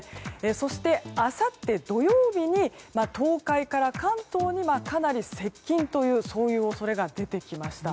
そして、あさって土曜日に東海から関東にかなり接近という恐れが出てきました。